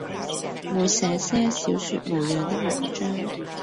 每寫些小說模樣的文章，